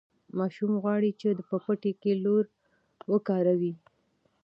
ماشوم غواړي چې په پټي کې لور وکاروي.